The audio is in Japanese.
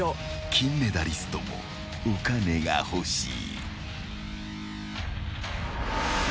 ［金メダリストもお金が欲しい］